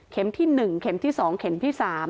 ที่๑เข็มที่๒เข็มที่๓